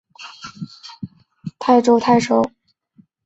官至泰州太守。